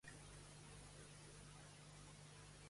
Ara faig de cap de cuina a Barraca, un restaurant de cuina vegana.